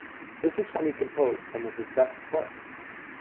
This is when he composed some of his best works.